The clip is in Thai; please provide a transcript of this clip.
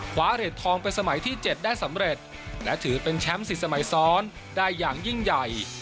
เหรียญทองเป็นสมัยที่๗ได้สำเร็จและถือเป็นแชมป์๑๐สมัยซ้อนได้อย่างยิ่งใหญ่